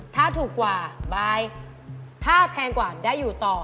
ถ้าถูกกว่าบายถ้าแพงกว่าได้อยู่ต่อ